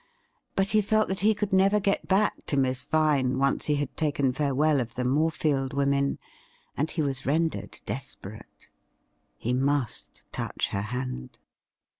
But he felt that he could never get back to Miss Vine once he had taken farewell of the Morefield women, and he was rendered desperate. He must touch her hand.